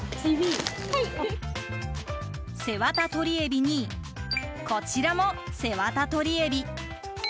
背ワタとりエビにこちらも、背ワタとりエビ。